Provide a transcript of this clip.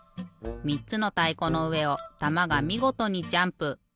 ３つのたいこのうえをたまがみごとにジャンプ。